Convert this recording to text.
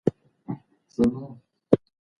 هغه وویل د نایجیریا مډیګا مشهور دی.